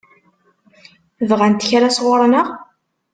Bɣant kra sɣur-neɣ?